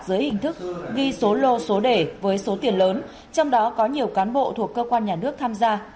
dưới hình thức ghi số lô số đề với số tiền lớn trong đó có nhiều cán bộ thuộc cơ quan nhà nước tham gia